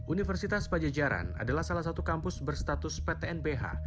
universitas pajejaran adalah salah satu kampus berstatus ptnph